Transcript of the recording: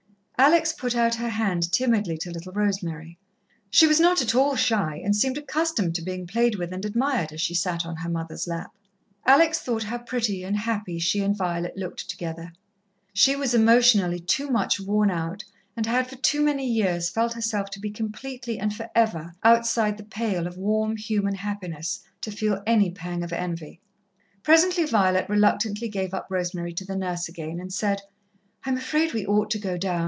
Alex put out her hand timidly to little Rosemary. She was not at all shy, and seemed accustomed to being played with and admired, as she sat on her mother's lap. Alex thought how pretty and happy she and Violet looked together. She was emotionally too much worn out, and had for too many years felt herself to be completely and for ever outside the pale of warm, human happiness, to feel any pang of envy. Presently Violet reluctantly gave up Rosemary to the nurse again, and said: "I'm afraid we ought to go down.